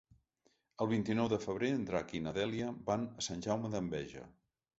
El vint-i-nou de febrer en Drac i na Dèlia van a Sant Jaume d'Enveja.